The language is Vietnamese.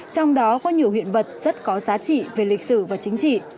trong đó có nhiều hiện vật rất có giá trị về lịch sử và chính trị